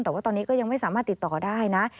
แต่ว่าตอนนี้ก็ยังไม่สามารถติดต่อได้นะ